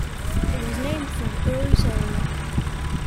It was named for an early settler.